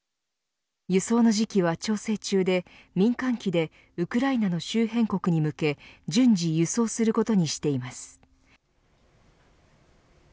輸送の時期は調整中で民間機でウクライナの周辺国に向け順次輸送することにしています。